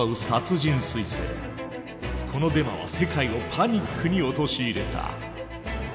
このデマは世界をパニックに陥れた。